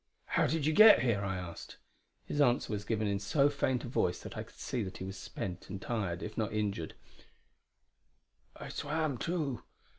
"How did you get here?" I asked. His answer was given in so faint a voice that I could see that he was spent and tired, if not injured: "I swam, too.